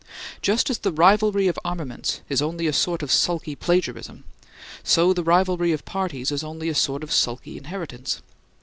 Just as the rivalry of armaments is only a sort of sulky plagiarism, so the rivalry of parties is only a sort of sulky inheritance.